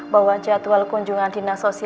bahwa jadwal kunjungan dinas sosial